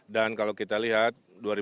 dan kalau kita lihat